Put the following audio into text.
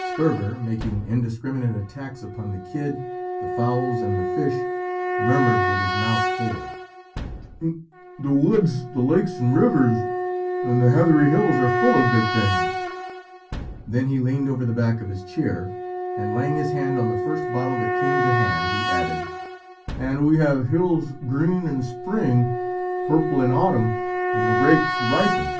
Sperver making indiscriminate attacks upon the kid, the fowls, and the fish, murmured with his mouth full "The woods, the lakes and rivers, and the heathery hills are full of good things!" Then he leaned over the back of his chair, and laying his hand on the first bottle that came to hand, he added "And we have hills green in spring, purple in autumn when the grapes ripen.